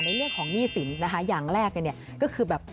ในเรื่องของหนี้สินอย่างแรกก็คือแบบ